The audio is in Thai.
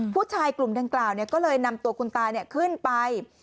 ผู้ชายกลุ่มดังกล่าวก็เลยนำตัวคุณตาขึ้นไป